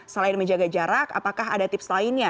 selain menjaga jarak apakah ada tips lainnya